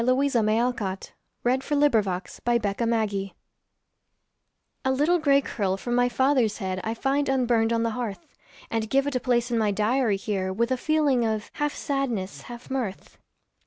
Louisa May Alcott December 1887 A Little Grey Curl A LITTLE grey curl from my father's head I find unburned on the hearth, And give it a place in my diary here, With a feeling half sadness, half mirth.